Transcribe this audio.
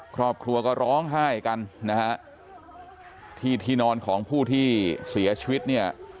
ครอบครัวก็ร้องไห้กันนะฮะที่ที่นอนของผู้ที่เสียชีวิตเนี่ย